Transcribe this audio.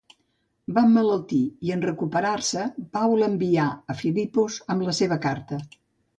Va emmalaltir i, en recuperar-se, Pau l'envià a Filipos amb la seva carta.